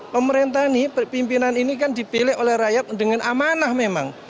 pemerintah ini pimpinan ini kan dipilih oleh rakyat dengan amanah memang